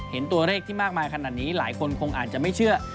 เห็นตัวเลขที่มากมายขนาดนี้หลายคนคงอาจจะไม่เชื่อ